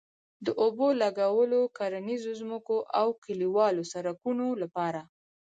د اوبه لګولو، کرنيزو ځمکو او کلیوالو سړکونو لپاره